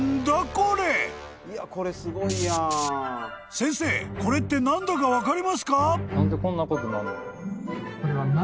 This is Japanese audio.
［先生これって何だか分かりますか？］